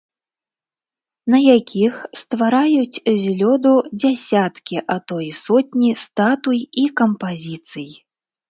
На якіх ствараюць з лёду дзесяткі, а то і сотні статуй і кампазіцый.